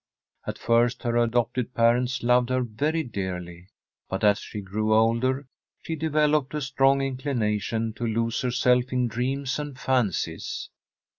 At first her adopted parents loved her very dearly, but as she grew older she developed a strong inclination to lose herself in dreams and fancies.